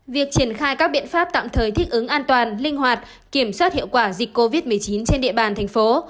việc triển khai các biện pháp tạm thời thích ứng an toàn linh hoạt kiểm soát hiệu quả dịch covid một mươi chín trên địa bàn thành phố